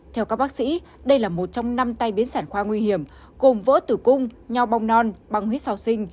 theo các bác sĩ đây là một trong năm tay biến sản khoa nguy hiểm gồm vỡ tử cung nhau bông non băng huyết sau sinh